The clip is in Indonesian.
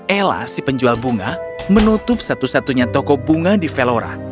ella si penjual bunga menutup satu satunya toko bunga di velora